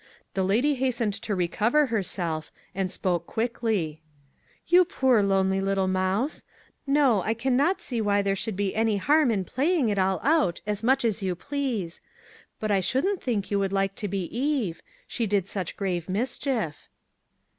The lady hastened to recover herself, and spoke quickly :" You poor, lonely little mouse ! No, I can not see why there should be any harm in play ing it all out as much as you please. But I shouldn't think you would like to be Eve; she did such grave mischief."